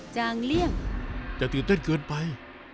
จางเลี่ยงจะตื่นเต้นเกินไป